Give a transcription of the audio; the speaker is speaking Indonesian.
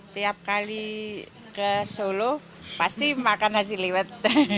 tiap kali ke solo pasti makan nasi liwet